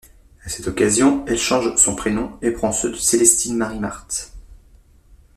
À cette occasion elle change son prénom et prend ceux de Célestine Marie Marthe.